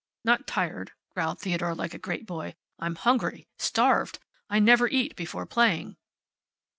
"Not tired," growled Theodore, like a great boy. "I'm hungry. Starved. I never eat before playing."